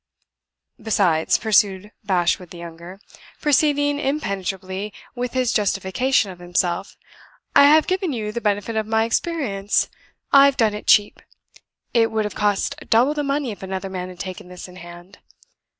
"Besides," pursued Bashwood, the younger, proceeding impenetrably with his justification of himself, "I have given you the benefit of my experience; I've done it cheap. It would have cost double the money if another man had taken this in hand.